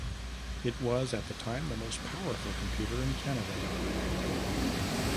It was, at the time, the most powerful computer in Canada.